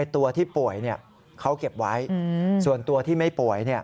ตัวที่ป่วยเขาเก็บไว้ส่วนตัวที่ไม่ป่วย